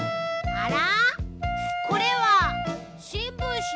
あら？